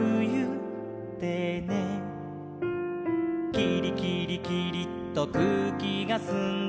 「キリキリキリっとくうきがすんで」